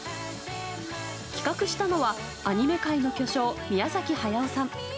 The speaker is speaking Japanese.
企画したのはアニメ界の巨匠、宮崎駿さん。